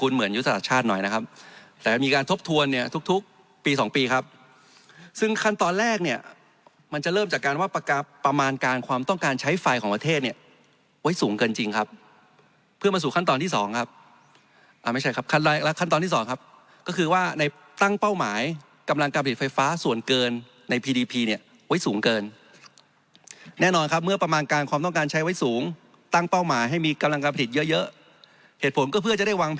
เหมือนยุติศาสตร์ชาติหน่อยนะครับแต่มีการทบทวนเนี่ยทุกปีสองปีครับซึ่งขั้นตอนแรกเนี่ยมันจะเริ่มจากการว่าประกาศประมาณการความต้องการใช้ไฟของประเทศเนี่ยไว้สูงเกินจริงครับเพื่อมาสู่ขั้นตอนที่สองครับอ่าไม่ใช่ครับขั้นตอนที่สองครับก็คือว่าในตั้งเป้าหมายกำลังการผลิตไฟฟ้าส่วนเก